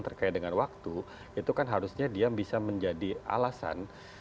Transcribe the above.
terkait dengan waktu itu kan harusnya dia bisa menjadi alasan